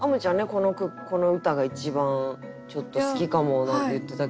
この句この歌が一番ちょっと好きかもなんて言ってたけど。